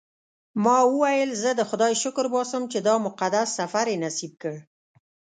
ما وویل زه د خدای شکر باسم چې دا مقدس سفر یې نصیب کړ.